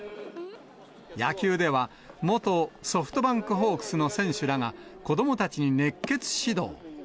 野球では、元ソフトバンクホークスの選手らが、子どもたちに熱血指導。